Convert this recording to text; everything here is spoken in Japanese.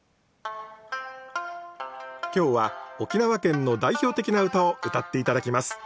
今日は沖縄県の代表的な唄をうたって頂きます。